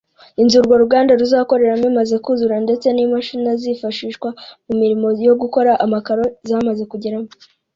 Inzu urwo ruganda ruzakoreramo imaze kuzura ndetse n’imashini azifashishwa mu mirimo yo gukora amakaro zamaze kugeramo